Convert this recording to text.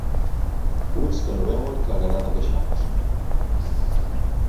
Ulls que no veuen, caguerada que xafes.